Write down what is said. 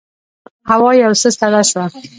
هوا یو څه سړه شوه.